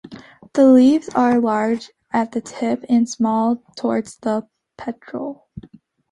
The leaves are large at the tip and smaller towards the petiole.